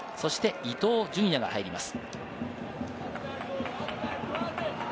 そして伊東純也が入ります。